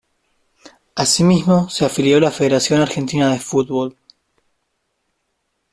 Asimismo se afilió a la Federación Argentina de Football.